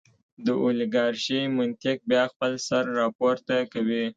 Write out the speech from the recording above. د اولیګارشۍ منطق بیا خپل سر راپورته کوي.